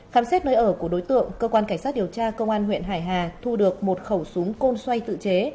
khám xét nơi ở của đối tượng cơ quan cảnh sát điều tra công an huyện hải hà thu được một khẩu súng côn xoay tự chế